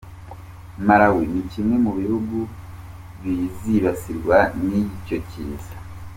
Malawi ni kimwe mu bihugu bizibasirwa n’icyo kiza.